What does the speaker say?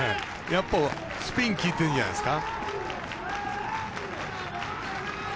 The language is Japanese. スピンきいてるんじゃないですか。